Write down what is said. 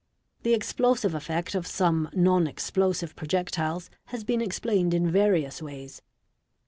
The explosive effect of some non explosive projectil $ has been explained in various ways.